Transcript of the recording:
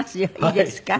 いいですか？